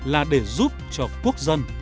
năm là để giúp cho quốc dân